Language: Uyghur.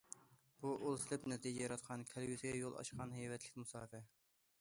بۇ، ئۇل سېلىپ نەتىجە ياراتقان، كەلگۈسىگە يول ئاچقان ھەيۋەتلىك مۇساپە.